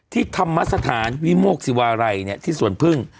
ที่ธรรมสถานวิโมกศิวาลัยที่สวนพึ่ง